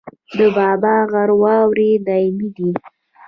د بابا غر واورې دایمي دي